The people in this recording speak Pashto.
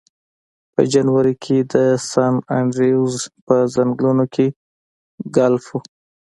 په جنوري کې د سن انډریوز په ځنګلونو کې ګلف و